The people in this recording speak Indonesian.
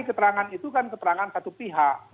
keterangan itu kan keterangan satu pihak